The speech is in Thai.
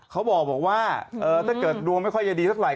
เค้าบอกว่าถ้าเกิดดวงไม่ค่อยจะดีสักไหร่